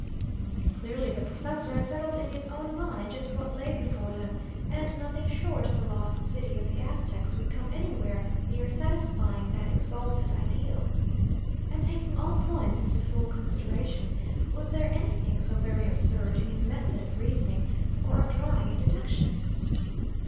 Clearly the professor had settled in his own mind just what lay before them, and nothing short of the Lost City of the Aztecs would come anywhere near satisfying that exalted ideal. And, taking all points into full consideration, was there anything so very absurd in his method of reasoning, or of drawing a deduction?